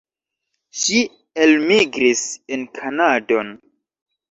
Ŝi elmigris en Kanadon.